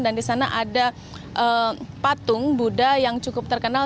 dan di sana ada patung buddha yang cukup terkenal